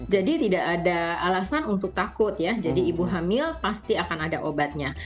jadi tidak ada alasan untuk takut ya jadi ibu hamil pasti akan ada obatnya